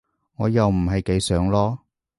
我又唔係幾想囉